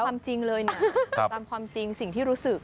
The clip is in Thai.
ความจริงเลยเนี่ยตามความจริงสิ่งที่รู้สึก